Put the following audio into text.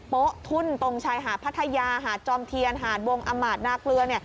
โป๊ทุ่นตรงชายหาดพัทยาหาดจอมเทียนหาดวงอำมาตนาเกลือ